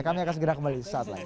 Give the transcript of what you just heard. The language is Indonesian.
kami akan segera kembali